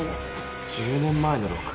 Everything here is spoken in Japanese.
１０年前の６月？